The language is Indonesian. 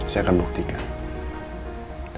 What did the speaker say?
saya akan buktikan